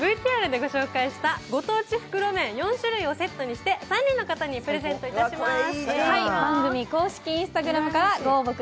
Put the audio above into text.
ＶＴＲでご紹介した御当地袋麺４種類をセットにして３名の方にプレゼントいたします。